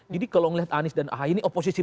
jadi kalau ngelihat anies dan ahi ini oposisi